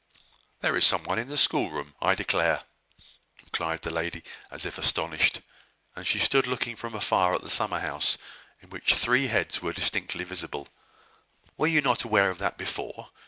"There is somebody in the schoolroom, I declare!" cried the lady, as if astonished. And she stood looking from afar at the summer house, in which three heads were distinctly visible. "Were you not aware of that before?